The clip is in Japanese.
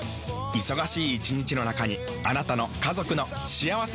忙しい一日の中にあなたの家族の幸せな時間をつくります。